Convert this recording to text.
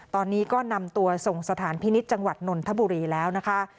ตอนนี้ก็นำตัวส่งสถานพินิษฐ์จังหวัดนนทบุรีแล้วนะคะ